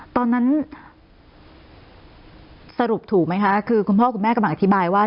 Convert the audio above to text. ตอนนั้นสรุปถูกไหมคะคือคุณพ่อคุณแม่กำลังอธิบายว่า